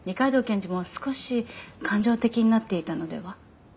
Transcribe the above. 二階堂検事も少し感情的になっていたのでは？